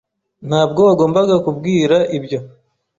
Ntabwo wagombaga kubwira ibyo.